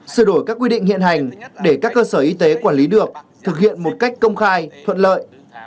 sửa đổi các quy định hiện hành để các cơ sở y tế quản lý được thực hiện một cách công khai thuận lợi